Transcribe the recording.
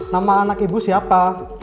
nama anak ibu siapa